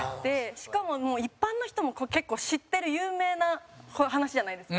しかも、一般の人も結構知ってる有名な話じゃないですか。